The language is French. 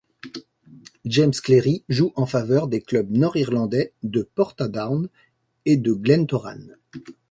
James Cleary joue en faveur des clubs nord-irlandais de Portadown et de Glentoran.